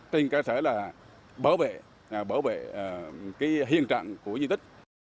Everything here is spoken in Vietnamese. trên cơ sở là bảo vệ bảo vệ hiện trạng của di tích